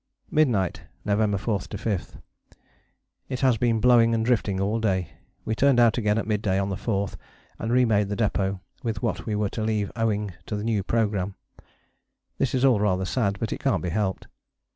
Midnight, November 4 5. It has been blowing and drifting all day. We turned out again at mid day on the 4th, and re made the depôt with what we were to leave owing to the new programme. This is all rather sad, but it can't be helped.